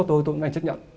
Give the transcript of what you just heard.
tôi cũng sẽ xác nhận